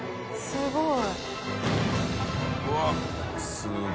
すごい。